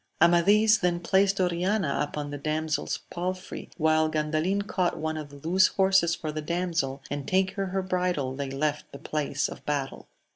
Amadis then placed Oriana upon the damsel's pal frey, while Gandalin caught one of the loose horses for the damsel, and taking her bridle they left the place of battle.